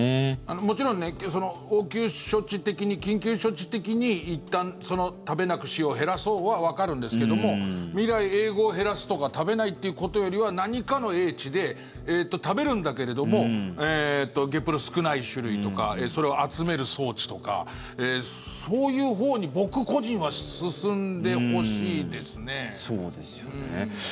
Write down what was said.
もちろん応急処置的に、緊急処置的にいったん食べなくしよう減らそうはわかるんですけども未来永劫、減らすとか食べないっていうことよりは何かの英知で食べるんだけれどもげっぷの少ない種類とかそれを集める装置とかそういうほうに、僕個人は進んでほしいですね。